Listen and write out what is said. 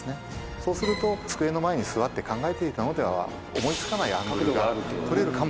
そうすると机の前に座って考えていたのでは思い付かないアングルが撮れるかもしれない。